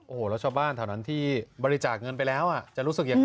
โอ้โหแล้วชาวบ้านแถวนั้นที่บริจาคเงินไปแล้วจะรู้สึกยังไง